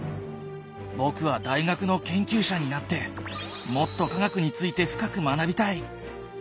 僕は大学の研究者になってもっと科学について深く学びたい！